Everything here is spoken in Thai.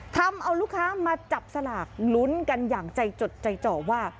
ทำเอาลูกค้ามาจับสลากลุ้นกันอย่างใจจดใจจ่อว่า